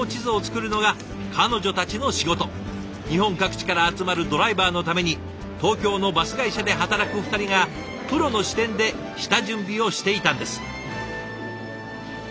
日本各地から集まるドライバーのために東京のバス会社で働く２人がプロの視点で下準備をしていたんです。